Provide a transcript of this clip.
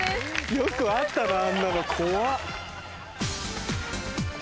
よくあったなあんなの怖っ！